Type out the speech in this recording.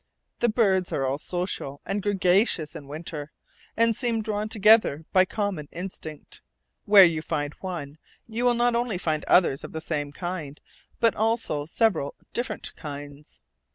The birds are all social and gregarious in winter, and seem drawn together by common instinct. Where you find one, you will not only find others of the same kind, but also several different kinds.